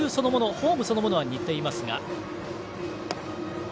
フォームそのものは似ていますが。